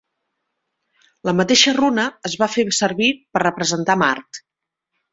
La mateixa runa es va fer servir per representar Mart.